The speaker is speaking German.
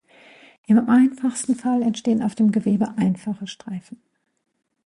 Im einfachsten Fall entstehen auf dem Gewebe einfache Streifen.